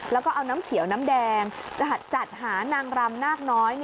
แล้วก็เอาน้ำเขียวน้ำแดงจะจัดหานางรำนาคน้อย